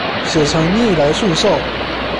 寫成逆來順受